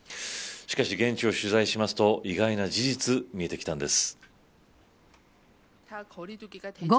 しかし、現地を取材しますと意外な事実、見えてきたんです。